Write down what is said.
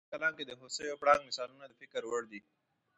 د هغه په کلام کې د هوسۍ او پړانګ مثالونه د فکر وړ دي.